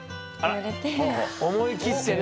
思い切ってね。